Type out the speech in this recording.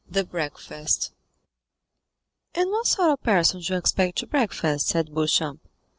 The Breakfast And what sort of persons do you expect to breakfast?" said Beauchamp.